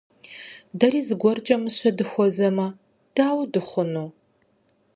Дэри зыгуэркӀэ мыщэ дыхуэзэмэ, дауэ дыхъуну?